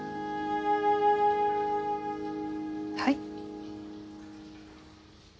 はい。